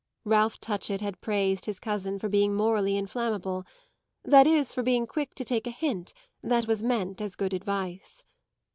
Ralph Touchett had praised his cousin for being morally inflammable, that is for being quick to take a hint that was meant as good advice.